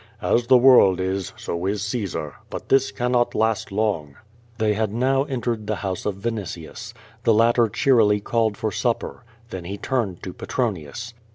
'' "As the world is, so is Caesar. But this cannot last long.'' They had now entered the house of Vinitius. The latter cheerily called for supper. Then he turned to Petronius.